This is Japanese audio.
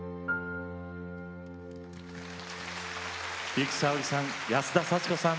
由紀さおりさん安田祥子さん